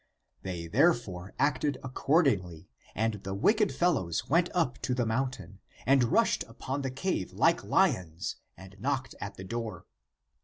They therefore acted accordingly, and the wicked fellows went up to the mountain, and rushed upon the cave like lions and knocked at the door.